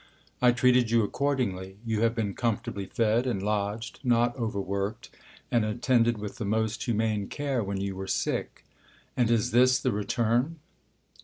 I treated you accordingly. You have been comfortably fed and lodged, not over worked, and attended with the most humane care when you were sick. And is this the return